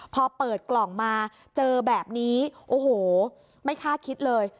พอเปิดกล่องมาเจอแบบนี้โอ้โหไม่คาดคิดเลย